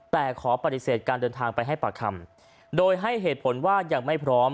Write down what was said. แต่ขอปฏิเสธการเดินทางไปให้ปากคำโดยให้เหตุผลว่ายังไม่พร้อม